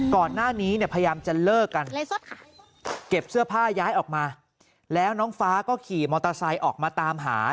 ก่อนหน้านี้เนี่ยพยายามจะเลิกกันเก็บเสื้อผ้าย้ายออกมาแล้วน้องฟ้าก็ขี่มอเตอร์ไซค์ออกมาตามหา